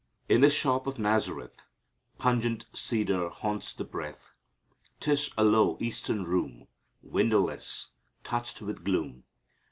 "In the shop of Nazareth Pungent cedar haunts the breath. 'Tis a low Eastern room, Windowless, touched with gloom.